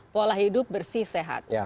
pola hidup bersih sehat